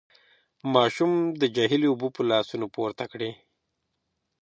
ماشوم د جهيل اوبه په لاسونو پورته کړې.